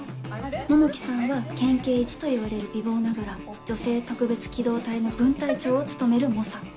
桃木さんは県警イチといわれる美貌ながら女性特別機動隊の分隊長を務める猛者。